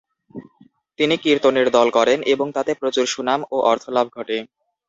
তিনি কীর্তনের দল করেন এবং তাতে প্রচুর সুনাম ও অর্থলাভ ঘটে।